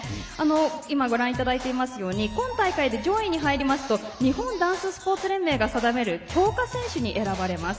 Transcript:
今、ご覧いただいていますように今大会で上位に入りますと日本ダンススポーツ連盟が定める強化選手に選ばれます。